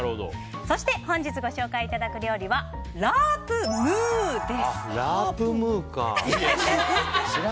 そして本日ご紹介いただく料理はあ、ラープ・ムーか。